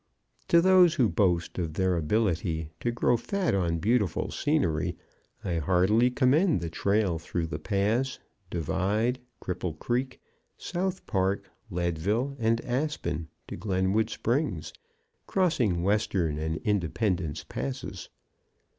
To those who boast of their ability to grow fat on beautiful scenery I heartily commend the trail through Ute Pass, Divide, Cripple Creek, South Park, Leadville and Aspen to Glenwood Springs, crossing Western and Independence Passes.